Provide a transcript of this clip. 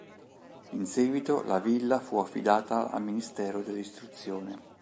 In seguito, la villa fu affidata al Ministero dell'istruzione.